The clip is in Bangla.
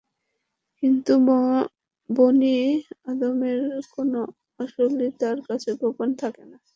কিন্তু বনী আদমের কোন আমলই তাঁর কাছে গোপন থাকে না।